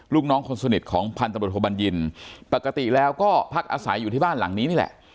ลูกน้องคนสนิทของพันตำรวจโทบัญญินปกติแล้วก็พักอาศัยอยู่ที่บ้านหลังนี้นี่แหละ